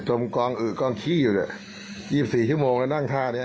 ๒๔ชั่วโมงเนี่ยนั่งท่านี้